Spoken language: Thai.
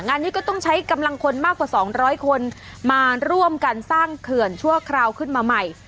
งานนี้ก็ต้องใช้กำลังคนมากกว่า๒๐๐คนมาร่วมกันสร้างเขื่อนชั่วคราวขึ้นมาใหม่